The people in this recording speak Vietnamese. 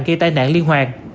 gây tai nạn liên hoàn